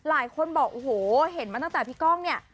หลายคนบอกเฮ็บมาตั้งแต่พี่ก้องเนี่ย